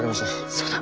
そうだ。